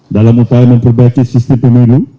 dalam upaya memperbaiki sistem pemilu